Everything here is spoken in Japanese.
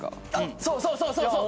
そうそうそうそうそう！